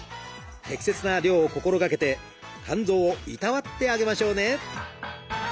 適切な量を心がけて肝臓をいたわってあげましょうね！